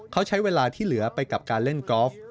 เขาใช้เวลาที่เหลือไปกับการเล่นกอล์ฟ